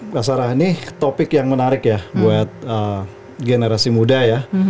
mas sarah ini topik yang menarik ya buat generasi muda ya